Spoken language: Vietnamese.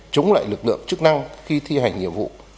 chống lại lực lượng chức năng khi thi hành nhiệm vụ